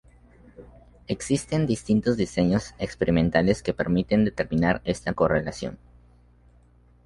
Existen distintos diseños experimentales que permiten determinar esta correlación.